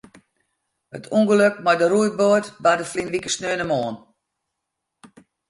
It ûngelok mei de roeiboat barde ferline wike saterdeitemoarn.